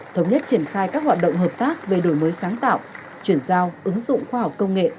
thống nhất triển khai các hoạt động hợp tác về đổi mới sáng tạo chuyển giao ứng dụng khoa học công nghệ